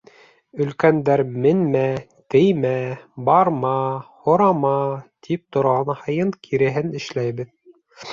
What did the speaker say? Өлкәндәр менмә, теймә, барма, һорама тип торған һайын киреһен эшләйбеҙ.